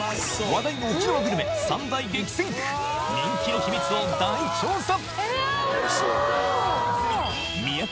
話題の沖縄グルメ３大激戦区人気の秘密を大調査